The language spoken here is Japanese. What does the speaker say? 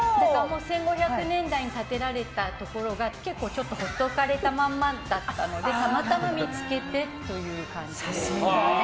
１５００年代に建てられたところが結構放っておかれたままだったのでたまたま見つけてっていう感じ。